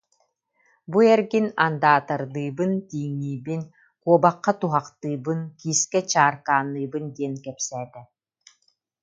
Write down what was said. Бу эргин андаатардыыбын, тииҥниибин, куобахха туһахтыыбын, киискэ чааркаанныыбын диэн кэпсээтэ